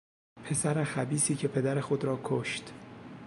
پسر خبیثی که پدر خود را کشت